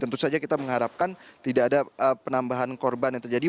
tentu saja kita mengharapkan tidak ada penambahan korban yang terjadi